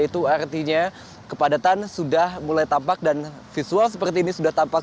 itu artinya kepadatan sudah mulai tampak dan visual seperti ini sudah tampak